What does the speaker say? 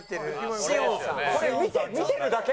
これ見てるだけ？